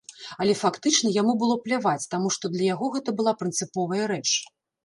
Але фактычна яму было пляваць, таму што для яго гэта была прынцыповая рэч.